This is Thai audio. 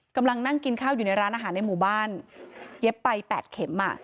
กำลังนั่งกินข้าวอยู่ในร้านอาหารในหมู่บ้านเย็บไป๘เข็ม